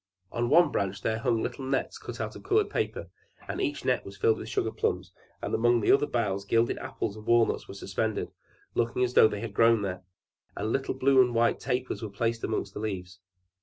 On one branch there hung little nets cut out of colored paper, and each net was filled with sugarplums; and among the other boughs gilded apples and walnuts were suspended, looking as though they had grown there, and little blue and white tapers were placed among the leaves.